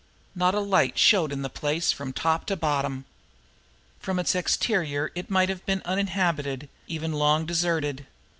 Not a light showed in the place from top to bottom. From its exterior it might have been uninhabited, even long deserted.